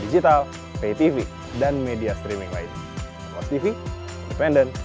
itu dari kupu kantor di suratnya gubernur